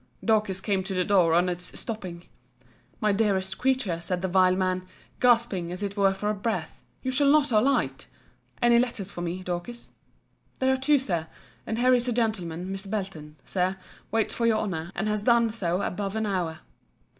Dorcas came to the door, on its stopping. My dearest creature, said the vile man, gasping, as it were for breath, you shall not alight—Any letters for me, Dorcas? There are two, Sir. And here is a gentleman, Mr. Belton, Sir, waits for your honour; and has done so above an hour.